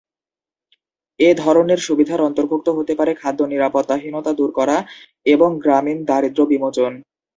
এ ধরনের সুবিধার অন্তর্ভুক্ত হতে পারে খাদ্য নিরাপত্তাহীনতা দূর করা এবং গ্রামীণ দারিদ্র্য বিমোচন।